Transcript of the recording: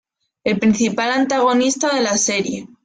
El principal antagonista de la serie.